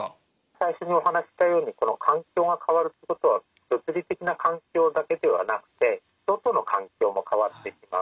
最初にお話ししたように環境が変わるっていうことは物理的な環境だけではなくて人との環境も変わってしまう。